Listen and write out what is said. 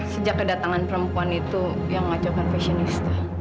sejak kedatangan perempuan yang ngacaukan fashionista